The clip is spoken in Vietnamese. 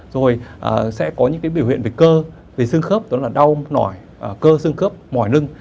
rồi sẽ có những cái biểu hiện về cơ về xương khớp đó là đau nổi cơ xương khớp mỏi lưng